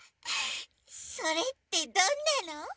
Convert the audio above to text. それってどんなの？